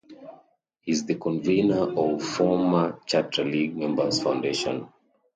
He is the convener of Former Chatra League Members Foundation.